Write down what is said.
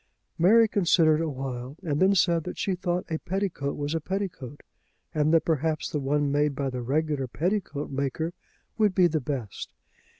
Mary considered a while, and then said that she thought a petticoat was a petticoat, and that perhaps the one made by the regular petticoat maker would be the best.